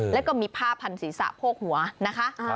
แล้วก็มีผ้าพันศีรษะโพกหัวนะคะ